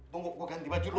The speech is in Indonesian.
tunggu gue ganti baju dulu